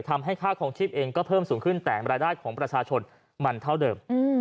ทำให้ค่าคลองชีพเองก็เพิ่มสูงขึ้นแต่รายได้ของประชาชนมันเท่าเดิม